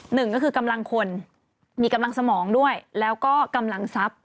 หนึ่งก็คือกำลังคนมีกำลังสมองด้วยแล้วก็กำลังทรัพย์